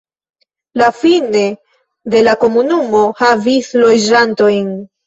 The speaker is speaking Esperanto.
La Fine de la komunumo havis loĝantojn.